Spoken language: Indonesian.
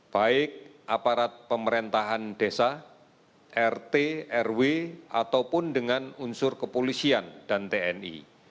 baik aparat pemerintahan desa rt rw ataupun dengan unsur kepolisian dan tni